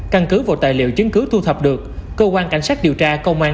căn cứ vào tài liệu chứng cứ thu thập được cơ quan cảnh sát điều tra công an